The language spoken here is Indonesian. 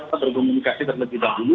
kita berkomunikasi terlebih dahulu